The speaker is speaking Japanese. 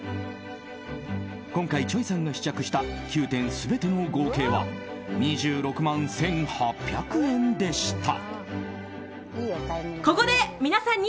今回、ｃｈｏｙさんが試着した９品全ての合計は２６万１８００円でした。